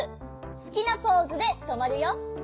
すきなポーズでとまるよ！